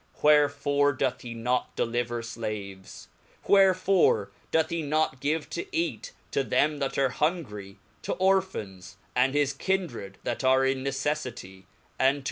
Wherfore doth he not deliver flaves? Wherefore doth he not give to eate to them that are hungry, to Orphans, and his kindred that are in necefficy , and to the poor?